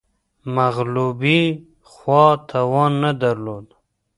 مغلوبې خوا توان نه درلود